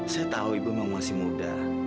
saya tahu ibu memang masih muda